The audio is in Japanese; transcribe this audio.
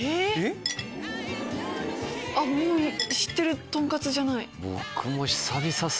本当に知ってるとんかつじゃない。